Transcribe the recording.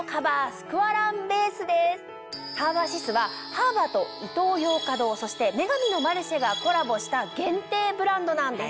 ＨＡＢＡｓｉｓはハーバーとイトーヨーカ堂そして『女神のマルシェ』がコラボした限定ブランドなんです。